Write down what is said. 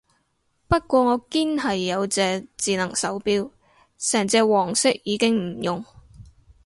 不過我堅係有隻智能手錶，成隻黃色已經唔用